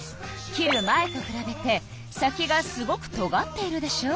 切る前とくらべて先がすごくとがっているでしょ。